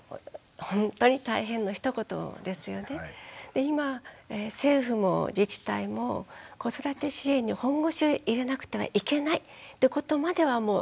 で今政府も自治体も子育て支援に本腰を入れなくてはいけないってことまではもうよく分かってきた。